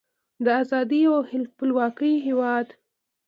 د ازادۍ او خپلواکۍ هیواد.